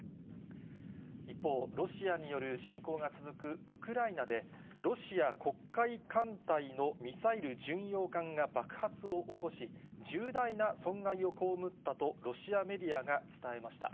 一方、ロシアによる侵攻が続くウクライナで、ロシア黒海艦隊のミサイル巡洋艦が爆発を起こし、重大な損害をこうむったとロシアメディアが伝えました。